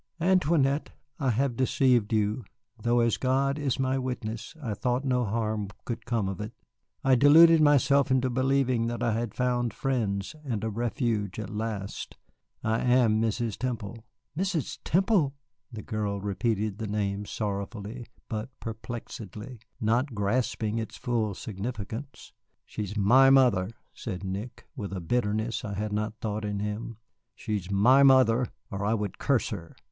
"Antoinette, I have deceived you, though as God is my witness, I thought no harm could come of it. I deluded myself into believing that I had found friends and a refuge at last. I am Mrs. Temple." "Mrs. Temple!" The girl repeated the name sorrowfully, but perplexedly, not grasping its full significance. "She is my mother," said Nick, with a bitterness I had not thought in him, "she is my mother, or I would curse her.